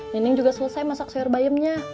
nining juga selesai masak sayur bayamnya